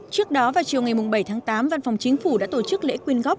trước đó vào chiều ngày bảy tháng tám văn phòng chính phủ đã tổ chức lễ quyên góp